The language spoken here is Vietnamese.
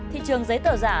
thị trường giấy tờ giả